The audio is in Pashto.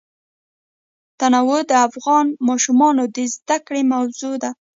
تنوع د افغان ماشومانو د زده کړې موضوع ده.